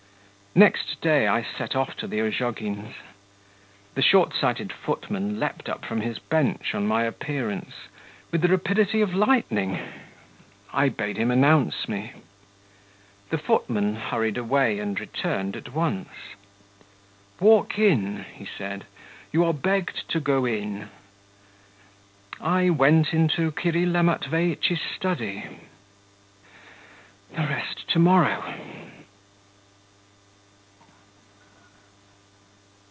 Next day I set off to the Ozhogins'. The shortsighted footman leaped up from his bench on my appearance, with the rapidity of lightning. I bade him announce me; the footman hurried away and returned at once. 'Walk in,' he said; 'you are begged to go in.' I went into Kirilla Matveitch's study.... The rest to morrow.